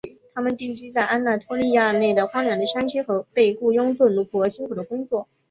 他们定居在安纳托利亚内的荒凉的山区和被雇用作奴仆和辛苦的工作。